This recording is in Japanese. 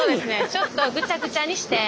ちょっとぐちゃぐちゃにして。